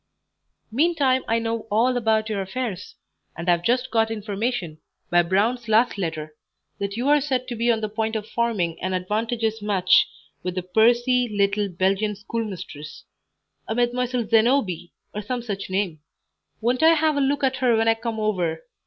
"Meantime I know all about your affairs, and have just got information, by Brown's last letter, that you are said to be on the point of forming an advantageous match with a pursy, little Belgian schoolmistress a Mdlle. Zenobie, or some such name. Won't I have a look at her when I come over!